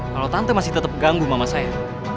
kalau tante masih tetap ganggu mama saya